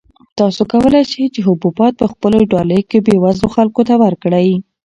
تاسو کولای شئ چې حبوبات په خپلو ډالیو کې بېوزلو خلکو ته ورکړئ.